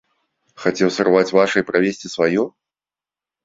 Хацеў сарваць ваша і правесці сваё?